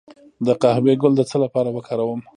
د قهوې ګل د څه لپاره وکاروم؟